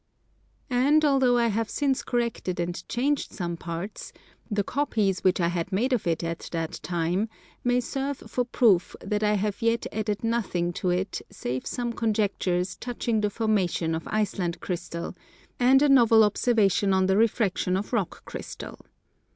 And, although I have since corrected and changed some parts, the copies which I had made of it at that time may serve for proof that I have yet added nothing to it save some conjectures touching the formation of Iceland Crystal, and a novel observation on the refraction of Rock Crystal.